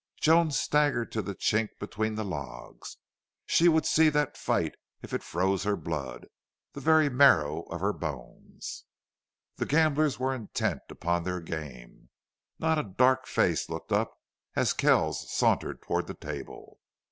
Joan staggered to the chink between the logs. She would see that fight if it froze her blood the very marrow of her bones. The gamblers were intent upon their game. Not a dark face looked up as Kells sauntered toward the table.